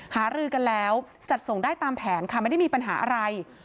หารือกันแล้วจัดส่งได้ตามแผนค่ะไม่ได้มีปัญหาอะไร